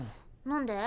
何で？